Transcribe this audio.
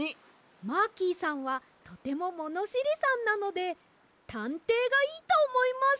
マーキーさんはとてもものしりさんなのでたんていがいいとおもいます